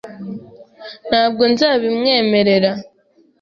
Ntabwo nzabimwemerera .